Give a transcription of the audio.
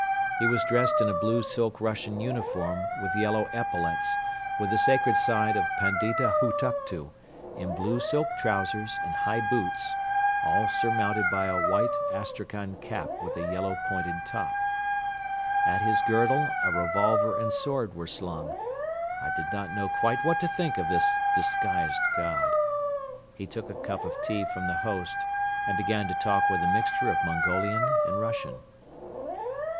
He was dressed in a blue silk Russian uniform with yellow epaulets with the sacred sign of Pandita Hutuktu, in blue silk trousers and high boots, all surmounted by a white Astrakhan cap with a yellow pointed top. At his girdle a revolver and sword were slung. I did not know quite what to think of this disguised god. He took a cup of tea from the host and began to talk with a mixture of Mongolian and Russian.